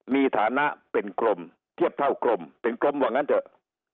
มีฐานะเป็นกรมเทียบเท่ากรมเป็นกรมว่างั้นเถอะ